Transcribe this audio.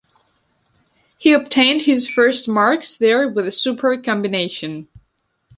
He obtained his first marks there with a super combination.